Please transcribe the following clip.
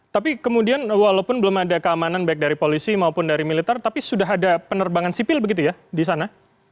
tapi kemudian walaupun belum ada keamanan baik dari polisi maupun dari militer tapi sudah ada penerbangan sipil begitu ya di sana